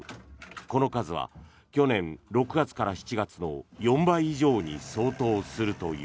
この数は去年６月から７月の４倍以上に相当するという。